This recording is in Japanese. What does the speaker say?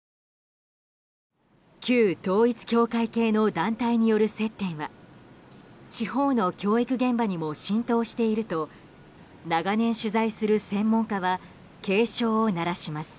旧統一教会系の団体による接点は地方の教育現場にも浸透していると長年、取材する専門家は警鐘を鳴らします。